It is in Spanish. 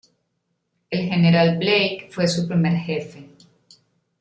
El General Blake fue su primer Jefe.